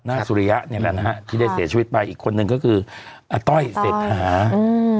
สุริยะเนี่ยแหละนะฮะที่ได้เสียชีวิตไปอีกคนนึงก็คืออาต้อยเศรษฐาอืม